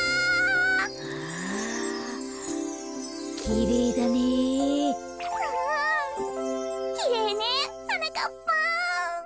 きれいねはなかっぱん。